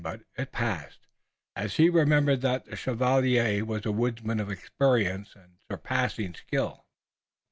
But it passed, as he remembered that the chevalier was a woodsman of experience and surpassing skill.